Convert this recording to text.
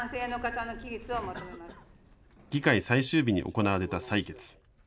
議会最終日に行われた採決。